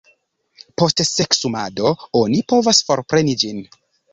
Post seksumado oni povas forpreni ĝin.